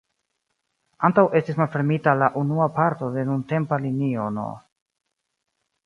Antaŭ estis malfermita la unua parto de nuntempa linio no.